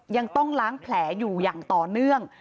ยังต้องล้างแผลอยู่อย่างต่อเนื่อง